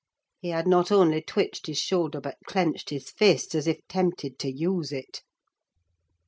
He had not only twitched his shoulder but clenched his fist, as if tempted to use it.